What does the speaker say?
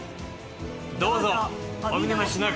どうぞお見逃しなく！